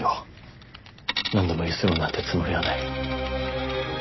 何度もゆすろうなんてつもりはない。